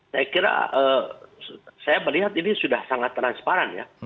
saya kira saya melihat ini sudah sangat transparan ya